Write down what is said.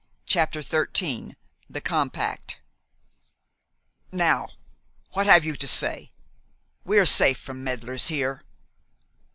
CHAPTER XIII THE COMPACT "Now, what have you to say? We are safe from meddlers here."